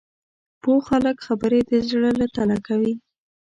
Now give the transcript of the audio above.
پوه خلک خبرې د زړه له تله کوي